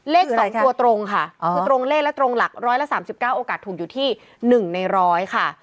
เลข๒ตัวตรงค่ะคือตรงเลขและตรงหลักร้อยละ๓๙โอกาสถูกอยู่ที่๑ใน๑๐๐ค่ะ